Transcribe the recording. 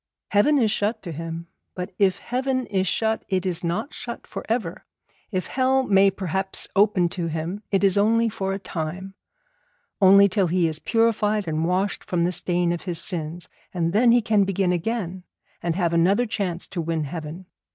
Heaven is shut to him. But if heaven is shut it is not shut for ever; if hell may perhaps open to him it is only for a time, only till he is purified and washed from the stain of his sins; and then he can begin again, and have another chance to win heaven.